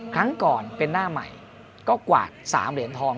ครั้งก่อนเป็นหน้าใหม่ก็กวาด๓เหรียญทอง